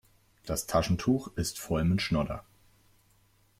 Das Taschentuch ist voll mit Schnodder.